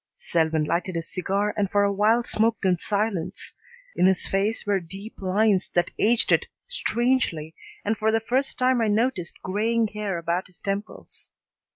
Selwyn lighted his cigar and for a while smoked in silence. In his face were deep lines that aged it strangely and for the first time I noticed graying hair about his temples.